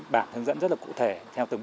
bảng hướng dẫn rất là cụ thể theo từng